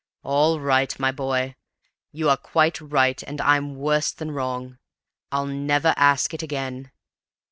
"All right, my boy! You are quite right and I'm worse than wrong. I'll never ask it again.